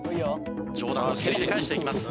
上段の蹴りで返していきます。